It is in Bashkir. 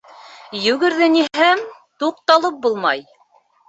Йүгерҙениһәм — туҡталып булмай.